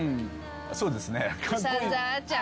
そうですね。